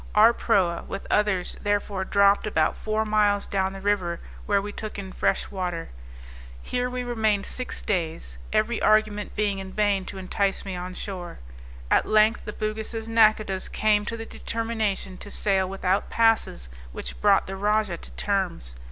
Our proa, with others, therefore dropped about four miles down the river, where we took in fresh water. Here we remained six days, every argument being in vain to entice me on shore. At length the Bugis' nacodahs came to the determination to sail without passes, which brought the rajah to terms.